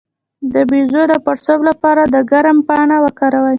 د بیضو د پړسوب لپاره د کرم پاڼه وکاروئ